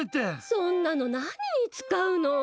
そんなの何に使うの？